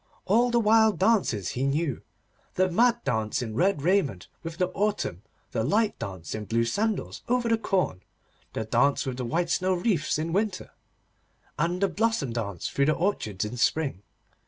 All the wild dances he knew, the mad dance in red raiment with the autumn, the light dance in blue sandals over the corn, the dance with white snow wreaths in winter, and the blossom dance through the orchards in spring.